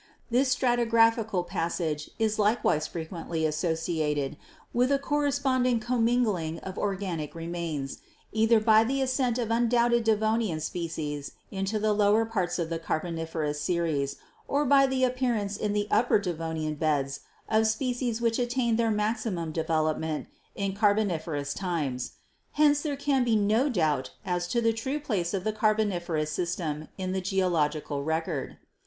This stratigraphical passage is likewise frequently associated with a corresponding com mingling of organic remains, either by the ascent of un doubted Devonian species into the lower parts of the Carboniferous series or by the appearance in the Upper Devonian beds of species which attained their maximum development in Carboniferous times. Hence there can be no doubt as to the true place of the Carboniferous system in the geological record.